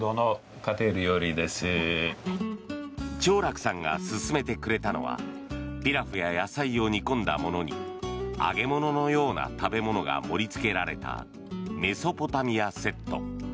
チョーラクさんが勧めてくれたのはピラフや野菜を煮込んだものに揚げ物のような食べ物が盛り付けられたメソポタミアセット。